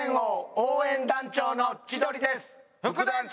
応援団長の千鳥です。